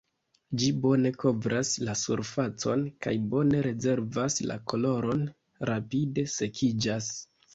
Ĝi bone kovras la surfacon kaj bone rezervas la koloron, rapide sekiĝas.